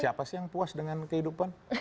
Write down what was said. siapa sih yang puas dengan kehidupan